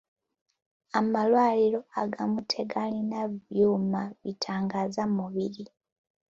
Amalwaliro agamu tegalina byuma bitangaaza mubiri.